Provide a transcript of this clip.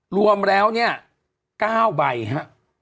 รวมแล้วเนี่ย๙ใบฮะ